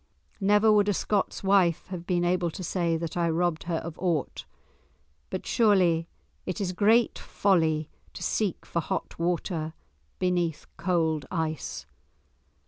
Never would a Scot's wife have been able to say that I robbed her of aught. But surely it is great folly to seek for hot water beneath cold ice.